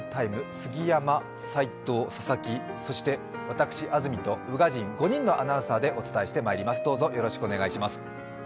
杉山、齋藤、佐々木、そして私、安住と宇賀神、５人のアナウンサーでお伝えしてまいります。